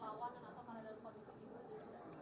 atau mana dari kondisi itu